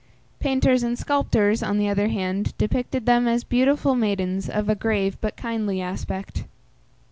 Painters and sculptors, on the other hand, depicted them as beautiful maidens of a grave but kindly aspect.